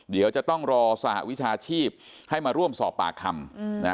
เดี๋ยวจะต้องรอสหวิชาชีพให้มาร่วมสอบปากคำนะ